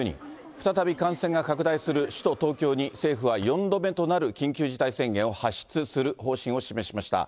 再び感染が拡大する首都東京に、政府は４度目となる緊急事態宣言を発出する方針を示しました。